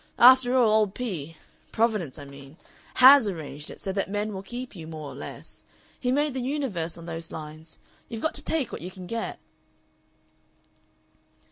After all, old P. Providence, I mean HAS arranged it so that men will keep you, more or less. He made the universe on those lines. You've got to take what you can get."